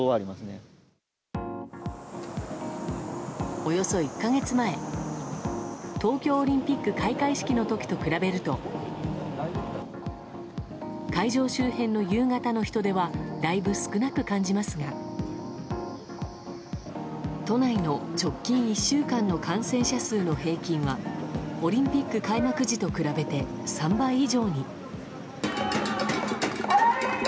およそ１か月前東京オリンピック開会式の時と比べると会場周辺の夕方の人出はだいぶ少なく感じますが都内の直近１週間の感染者数の平均はオリンピック開幕時と比べて３倍以上に。